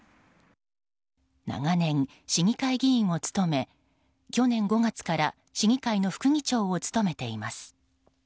長年、市議会議員を務め去年５月から市議会の副議長を務めています。